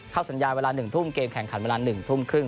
สัญญาเวลา๑ทุ่มเกมแข่งขันเวลา๑ทุ่มครึ่ง